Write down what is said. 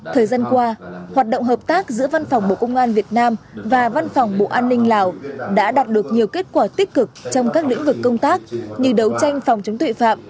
thời gian qua hoạt động hợp tác giữa văn phòng bộ công an việt nam và văn phòng bộ an ninh lào đã đạt được nhiều kết quả tích cực trong các lĩnh vực công tác như đấu tranh phòng chống tuệ phạm